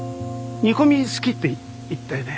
煮込み好きって言ったよね？